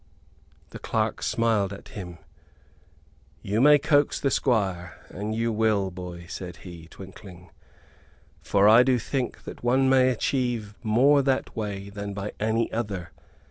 The clerk smiled at him. "You may coax the Squire, an you will, boy," said he, twinkling; "for I do think that one may achieve more that way than by any other.